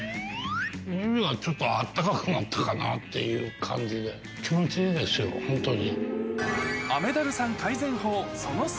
耳がちょっとあったかくなったかなっていう感じで、気持ちいいですよ、本当に。